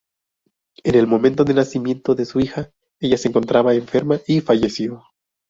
En el momento del nacimiento de su hija, ella se encontraba enferma y falleció.